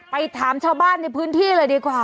ไปถามชาวบ้านในพื้นที่เลยดีกว่า